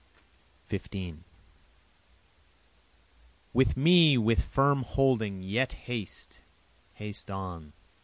15 With me with firm holding, yet haste, haste on.